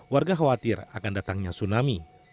warga khawatir akan datangnya tsunami